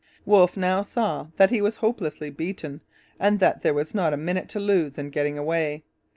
Wolfe now saw that he was hopelessly beaten and that there was not a minute to lose in getting away.